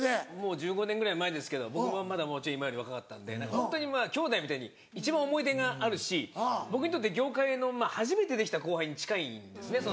１５年ぐらい前ですけど僕もまだもうちょい今より若かったんで何かホントに兄弟みたいに一番思い出があるし僕にとって業界の初めてできた後輩に近いんですね。